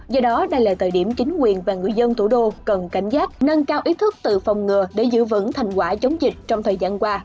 do đó đây là thời điểm chính quyền và người dân thủ đô cần cảnh giác nâng cao ý thức tự phòng ngừa để giữ vững thành quả chống dịch trong thời gian qua